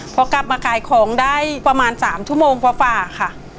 พอกลับมาขายของได้ประมาณ๓ชั่วโมงฝ่าค่ะ